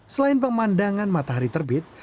selain pemandangan matahari terbit